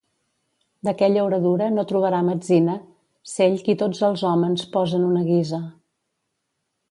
D'aquella oradura no trobarà metzina cell qui tots els hòmens posa en una guisa.